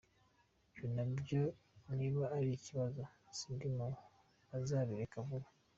Ibyo nabyo niba ari ikibazo, sindi mu bazabireka vuba.